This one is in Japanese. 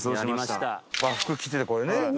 和服着ててこれね。